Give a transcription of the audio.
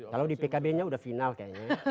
kalau di pkb nya udah final kayaknya